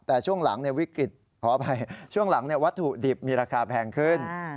แต่ช่วงหลังวิกฤตขออภัยช่วงหลังวัตถุดิบมีราคาแพงขึ้น